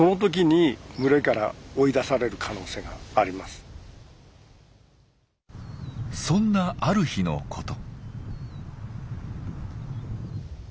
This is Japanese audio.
おそらくそんなある日のこと。